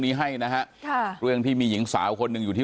นี้ให้เรื่องที่มีหญิงสาวคนนึงอยู่ที่